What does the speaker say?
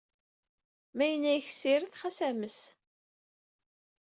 Ma yenna-yak ssired, xas ames.